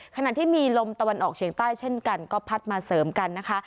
ขณะที่มีลมตะวันออกเฉียงใต้เช่นกันก็พัดมาเสริมกันนะคะ